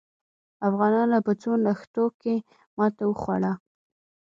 افغانانو په څو نښتو کې ماته وخوړه.